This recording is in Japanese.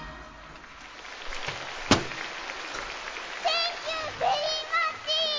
センキューベリーマッチ！